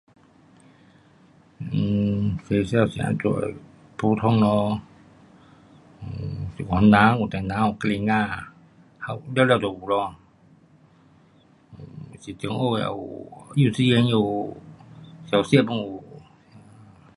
呃，学校是怎样的。普通咯，um 有番人，有唐人，有吉林儿，完了都有。是中学也有，幼稚园也有，小学 pun 有。